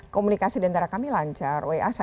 komunikasi antara kami lancar wa saling jawab jawaban